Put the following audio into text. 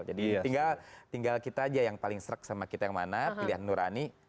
jadi tinggal kita saja yang paling serak sama kita yang mana pilihan nurani